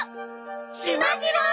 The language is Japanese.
しまじろう！